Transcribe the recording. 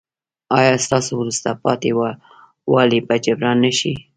ایا ستاسو وروسته پاتې والی به جبران نه شي؟